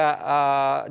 diskusi yang menarik nanti